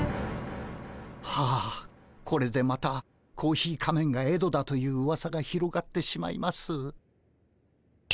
はあこれでまたコーヒー仮面がエドだといううわさが広がってしまいます。